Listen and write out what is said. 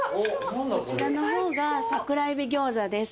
こちらの方が桜えび餃子です